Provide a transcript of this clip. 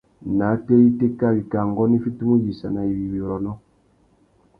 Nātê ya itéka, wikā ngônô i fitimú uyïssana iwí wirrônô.